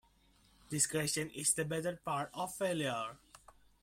Discretion is the better part of valour.